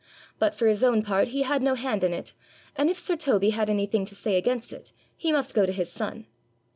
But for his own part he had no hand in it, and if sir Toby had anything to say against it, he must go to his son.